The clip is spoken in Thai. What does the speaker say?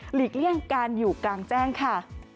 เลี่ยงการอยู่กลางแจ้งค่ะ